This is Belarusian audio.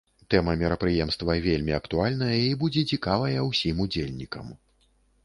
Тэма мерапрыемства вельмі актуальная і будзе цікавая ўсім удзельнікам.